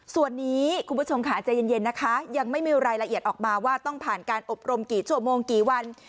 ส่วนนี้คุณผู้ชมค่ะใจเย็นนะคะยังไม่มีรายละเอียดออกมาว่าต้องผ่านการอบรมกี่ชั่วโมงกี่วัน